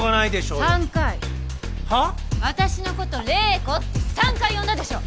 私のこと麗子って３回呼んだでしょ！